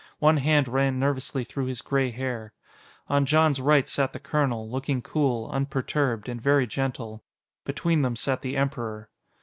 One hand ran nervously through his gray hair. On Jon's right sat the colonel, looking cool, unperturbed, and very gentle. Between them sat the Emperor.